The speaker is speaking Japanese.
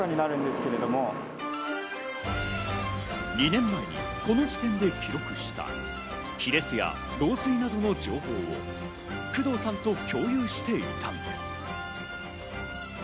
２年前にこの地点で記録した、亀裂や漏水などの情報を工藤さんと共有していたのです。